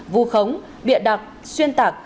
vô khống bịa đặc xuyên tạc